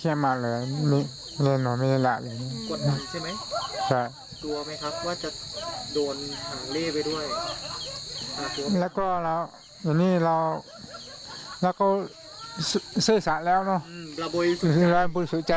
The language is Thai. อย่างนี้เรา